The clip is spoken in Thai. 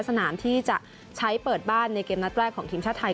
สนามที่จะใช้เปิดบ้านในเกมนัดแรกของทีมชาติไทย